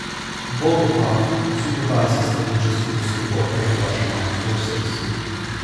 Bulgakov supervises the Logistical Support of the Russian Armed Forces.